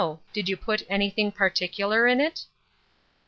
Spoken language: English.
did you put any thing particular in it?"